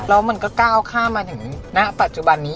แล้วมันก็ก้าวข้ามมาถึงณปัจจุบันนี้